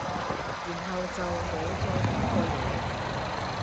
然後就冇再講過嘢